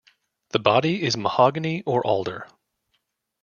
The body is mahogany or alder.